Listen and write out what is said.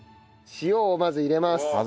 塩をまず入れます。